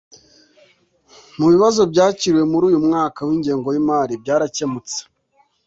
mu bibazo byakiriwe muri uyu mwaka w’ingengo y’imari, byarakemutse,